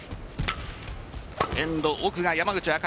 エンド、奥が山口茜。